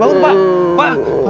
dia atau papa